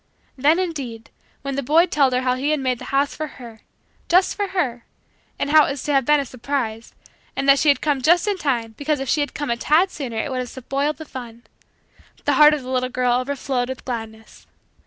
Then, indeed, when the boy told her how he had made the house for her just for her and how it was to have been a surprise; and that she had come just in time because if she tad come sooner it would have spoiled the fun the heart of the little girl overflowed with gladness.